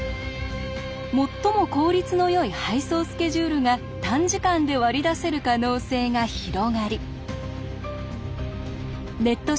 もっとも効率のよい配送スケジュールが短時間で割り出せる可能性が広がりネット